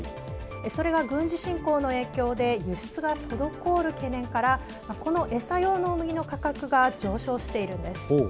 それが軍事侵攻の影響で輸出が滞る懸念からこの餌用の大麦の価格が上昇しているんです。